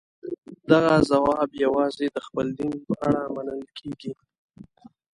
دغه ځواب یوازې د خپل دین په اړه منل کېږي.